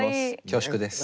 恐縮です。